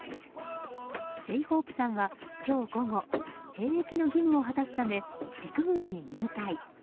Ｊ‐ＨＯＰＥさんは、今日午後兵役の義務を果たすため陸軍に入隊。